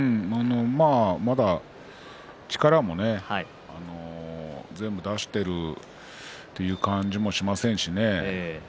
まだ力も全部出しているという感じもしませんしね。